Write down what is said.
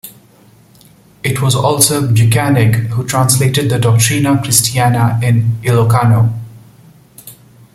It was also Bukaneg who translated the Doctrina Cristiana in Ilocano.